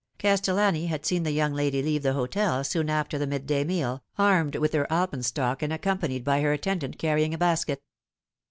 Castellani had seen the young lady leave the hotel soon after the midday meal, armed with her alpenstock, and accompanied by her attendant carrying a basket.